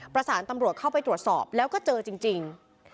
ประสานตำรวจเข้าไปตรวจสอบแล้วก็เจอจริง